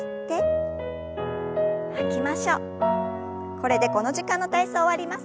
これでこの時間の体操終わります。